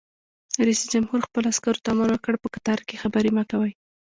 رئیس جمهور خپلو عسکرو ته امر وکړ؛ په قطار کې خبرې مه کوئ!